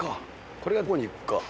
これがどこに行くか。